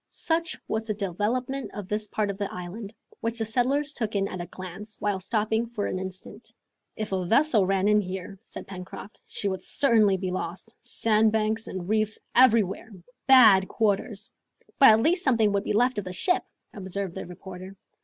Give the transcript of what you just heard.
Such was the development of this part of the island, which the settlers took in at a glance, while stopping for an instant. "If a vessel ran in here," said Pencroft, "she would certainly be lost. Sandbanks and reefs everywhere! Bad quarters!" "But at least something would be left of the ship," observed the reporter.